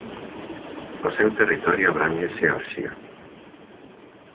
O seu territorio abrangue Xeorxia.